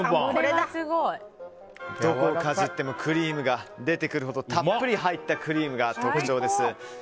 どこをかじってもクリームが出てくるほどたっぷり入ったクリームが特徴です。